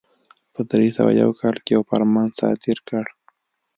په درې سوه یو کال کې یو فرمان صادر کړ.